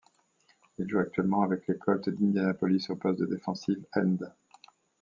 Il joue actuellement avec les Colts d'Indianapolis au poste de defensive end.